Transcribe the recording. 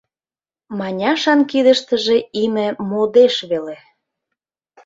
Маняшан кидыштыже име модеш веле.